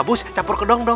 rebus campur ke dong dong